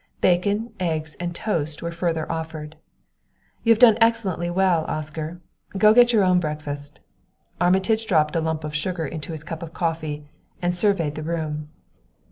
Bacon, eggs and toast were further offered. "You have done excellently well, Oscar. Go get your own breakfast." Armitage dropped a lump of sugar into his coffee cup and surveyed the room.